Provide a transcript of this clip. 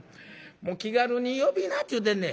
もう気軽に呼ぶなっちゅうてんねん。